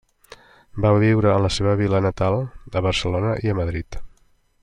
Va viure en la seva vila natal, a Barcelona i a Madrid.